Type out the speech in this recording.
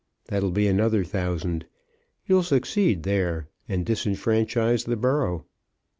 That'll be another thousand. You'll succeed there, and disfranchise the borough.